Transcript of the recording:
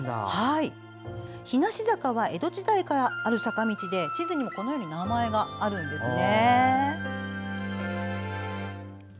日無坂は江戸時代からある坂道で地図にも名前があるんですね。